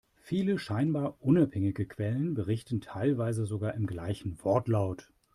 Viele scheinbar unabhängige Quellen, berichten teilweise sogar im gleichen Wortlaut.